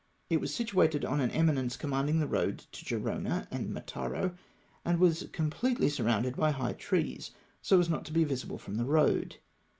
It was situated on an eminence, commanding the road to Gerona and Mataro, and was completely surrounded by high trees, so as not to be visible fii om the road.